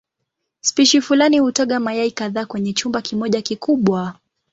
Spishi fulani hutaga mayai kadhaa kwenye chumba kimoja kikubwa.